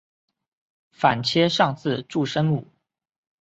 反切上字注声母。